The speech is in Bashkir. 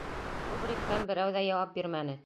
Кубриктан берәү ҙә яуап бирмәне.